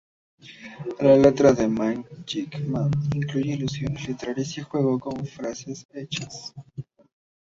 La letra de "Mann gegen Mann" incluye alusiones literarias y juegos con frases hechas.